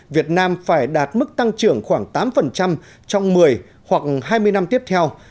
việt nam phải đạt mức tăng trưởng khoảng tám trong một mươi hoặc hai mươi năm tiếp theo